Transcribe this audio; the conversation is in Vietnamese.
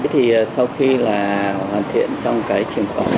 thì sau khi là hoàn thiện xong cái chuyển khoản hai mươi bốn ngàn